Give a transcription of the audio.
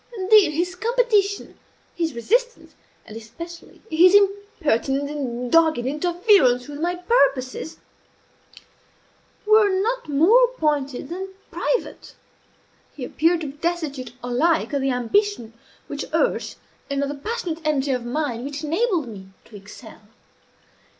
Indeed, his competition, his resistance, and especially his impertinent and dogged interference with my purposes, were not more pointed than private. He appeared to be destitute alike of the ambition which urged, and of the passionate energy of mind which enabled, me to excel.